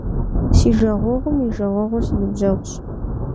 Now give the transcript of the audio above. Си жагъуэгъум и жагъуэгъур - си ныбжьэгъущ.